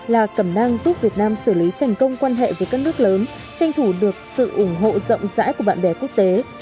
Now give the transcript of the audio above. là cầm nang giúp việt nam xử lý thành công quan hệ với các nước lớn tranh thủ được sự ủng hộ rộng rãi của bạn bè quốc tế